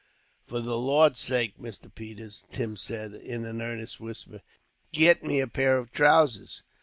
"For the Lord's sake, Mr. Peters," Tim said, in an earnest whisper, "git me a pair of trousers.